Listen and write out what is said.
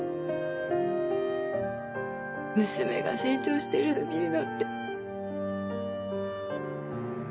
娘が成長してるの見るのって。